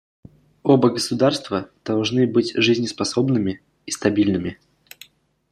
Оба государства должны быть жизнеспособными и стабильными.